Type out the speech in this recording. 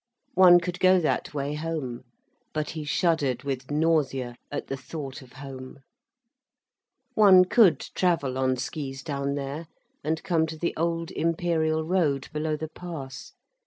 One could go that way home; but he shuddered with nausea at the thought of home;—one could travel on skis down there, and come to the old imperial road, below the pass.